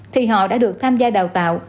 thì họ đã được tham gia đào tạo